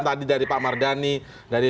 tadi dari pak mardhani dari